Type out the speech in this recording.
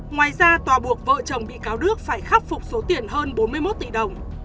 ngoài ra tòa buộc vợ chồng bị cáo đức phải khắc phục số tiền hơn bốn mươi một tỷ đồng